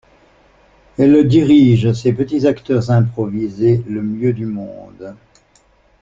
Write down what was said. Elle dirige ses petits acteurs improvisés le mieux du monde.